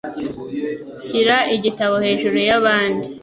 Shyira igitabo hejuru yabandi.